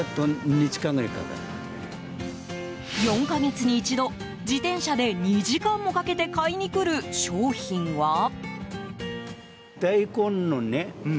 ４か月に一度自転車で２時間もかけて買いにくる商品は？